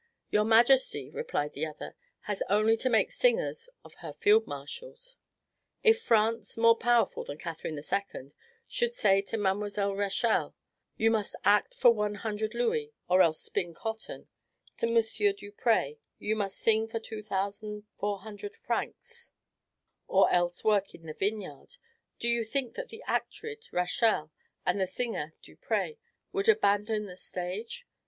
"Your majesty," replied the other, "has only to make singers of her field marshals." If France (more powerful than Catherine II) should say to Mademoiselle Rachel, "You must act for one hundred louis, or else spin cotton;" to M. Duprez, "You must sing for two thousand four hundred francs, or else work in the vineyard," do you think that the actress Rachel, and the singer Duprez, would abandon the stage?